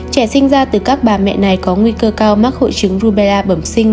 trẻ sinh ra từ các bà mẹ này có nguy cơ cao mắc hội chứng rubela bẩm sinh